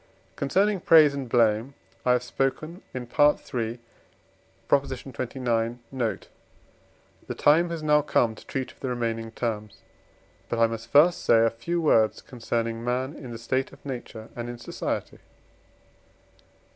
Concerning praise and blame I have spoken in III. xxix. note: the time has now come to treat of the remaining terms. But I must first say a few words concerning man in the state of nature and in society.